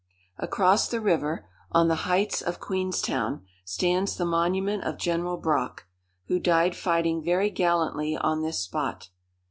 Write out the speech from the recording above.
Across the river, on the heights of Queenstown, stands the Monument of General Brock, who died fighting very gallantly on this spot.